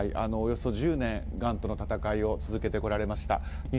およそ１０年、がんとの闘いを続けてこられました。